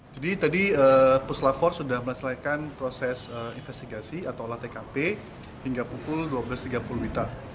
jadi tadi puslapor sudah menyesuaikan proses investigasi atau olah tkp hingga pukul dua belas tiga puluh wita